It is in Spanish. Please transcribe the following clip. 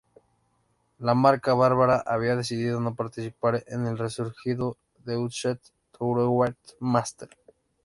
La marca bávara había decidido no participar en el resurgido Deutsche Tourenwagen Masters.